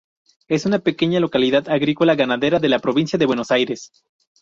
Es una pequeña localidad agrícola-ganadera de la provincia de Buenos Aires.